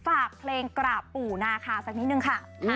ฝากเพลงกราบปู่นาคาสักนิดนึงค่ะ